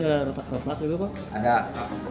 ada retak retak gitu pak